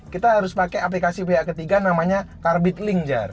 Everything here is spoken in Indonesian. kita harus pake aplikasi pihak ketiga namanya carbit link jar